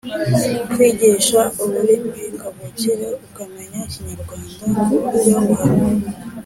kwigisha ururimi kavukire ukamenya Ikinyarwanda ku buryo buhamye,